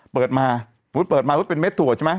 เปิดมาเพิ่งถ์เปิดมาถอย์เป็นเม็ดถั่วใช่มะ